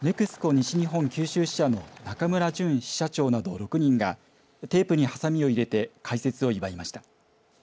西日本九州支社の中村順支社長など６人がテープにはさみを入れて開設を祝いました。